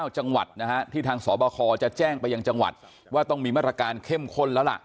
จังหวัดนะฮะที่ทางสบคจะแจ้งไปยังจังหวัดว่าต้องมีมาตรการเข้มข้นแล้วล่ะ